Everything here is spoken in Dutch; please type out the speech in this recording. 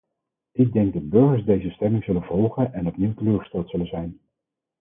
Ik denk dat burgers deze stemming zullen volgen en opnieuw teleurgesteld zullen zijn.